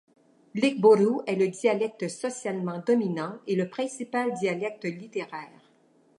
L’igburu est le dialecte socialement dominant et le principal dialecte littéraire.